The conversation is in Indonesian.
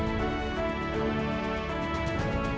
saya clumsy tetapi saya berpengalaman bersama rakyat